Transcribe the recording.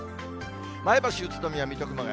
前橋、宇都宮、水戸、熊谷。